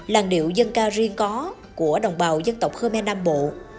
làng điệu dân ca riêng có của đồng bào dân tộc khmer nam bộ